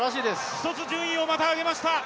１つ順位をまた上げました。